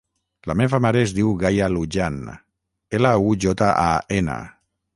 La meva mare es diu Gaia Lujan: ela, u, jota, a, ena.